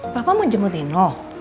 bapak mau jemput nino